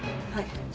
はい。